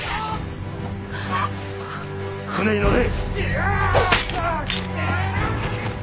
船に乗れ！